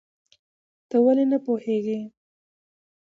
ته ولې نه پوهېږې؟